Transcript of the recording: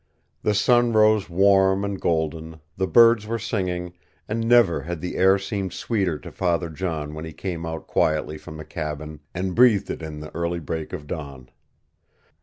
The sun rose warm and golden, the birds were singing, and never had the air seemed sweeter to Father John when he came out quietly from the cabin and breathed it in the early break of dawn.